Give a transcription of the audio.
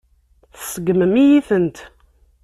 Tseggmem-iyi-tent.